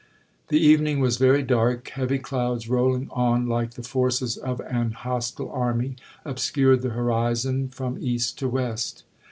'The evening was very dark; heavy clouds, rolling on like the forces of an hostile army, obscured the horizon from east to west.